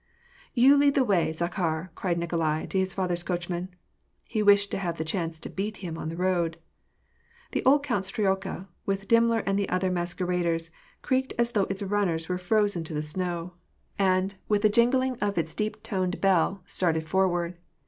"You lead the way, Zakhar! " cried Nikolai, to his father^a coachman ; he wished to have the chance to " beat " him on the road. The old count's troika, with Dimmler and the other masquer aders, creaked as though its runners were frozen to the snow ;• CaUed dugd. WAR AND PEACE. 298 and^ with a jingling of its deep toned bell, started forward.